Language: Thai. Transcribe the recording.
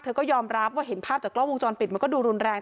ก็ยอมรับว่าเห็นภาพจากกล้องวงจรปิดมันก็ดูรุนแรง